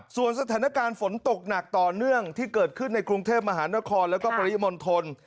ส่วนสถานการณ์ฝนตกหนักต่อเนื่องที่เกิดขึ้นในกรุงเทพมหานครแล้วก็ปริมณฑล